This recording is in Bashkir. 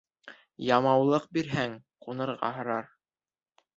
Ямаулыҡ бирһәң, ҡунырға һорар.